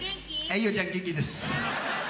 伊代ちゃん、元気です。